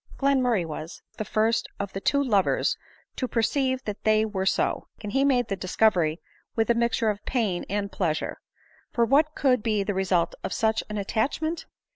Glenmurray was the first of the two lovers to perceive that they were so ; and he made the discovery with a mixture of pain and pleasure. For what could be the result of such an attachment